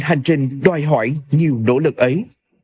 hành trình đòi hỏi nhiều nỗ lực ấy